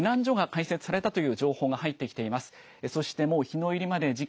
きょうは今、避難所が開設されたという情報が入ってきています。